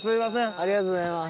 ありがとうございます。